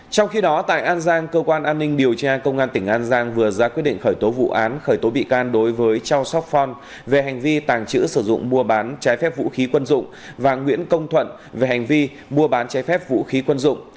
trong khi đó tại an giang cơ quan an ninh điều tra công an tỉnh an giang vừa ra quyết định khởi tố vụ án khởi tố bị can đối với châu sóc phong về hành vi tàng trữ sử dụng mua bán trái phép vũ khí quân dụng và nguyễn công thuận về hành vi mua bán trái phép vũ khí quân dụng